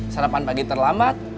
sarapan pagi terlambat